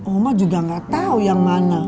oma juga gak tau yang mana